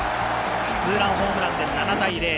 ツーランホームランで７対０。